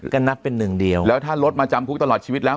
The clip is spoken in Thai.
ก็นับเป็นหนึ่งเดียวแล้วถ้าลดมาจำคุกตลอดชีวิตแล้ว